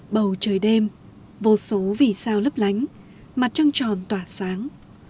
bầu trời đêm vô số vì sao lấp lánh mặt trăng tròn tỏa sáng